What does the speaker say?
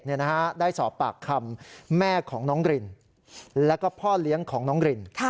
ได้สอบปากคำแม่ของน้องรินแล้วก็พ่อเลี้ยงของน้องริน